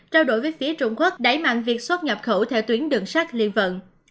trao đổi với phía trung quốc đẩy mạng việc xuất nhập khẩu theo tuyến đường sát liên vận